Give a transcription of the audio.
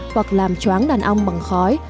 hoặc làm choáng đàn ong bằng khói